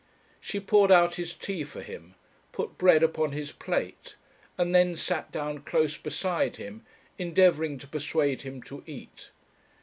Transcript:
She poured out his tea for him, put bread upon his plate, and then sat down close beside him, endeavouring to persuade him to eat.